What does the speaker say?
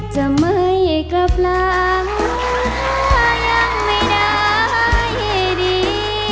จะไม่กลับลามูลค่ายังไม่ได้ดี